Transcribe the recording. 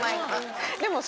でも。